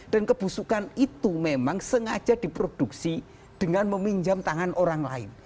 dan kebusukan itu memang sengaja diproduksi dengan meminjam tangan orang lain